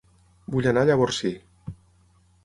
Vull anar a Llavorsí